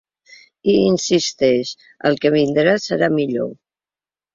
I insisteix: El que vindrà serà millor.